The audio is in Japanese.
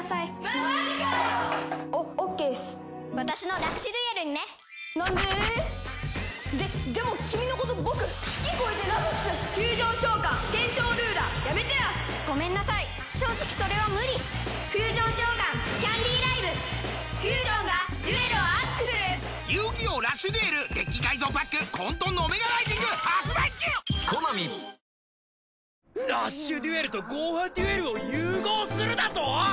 ラッシュデュエルとゴーハデュエルを融合するだと！？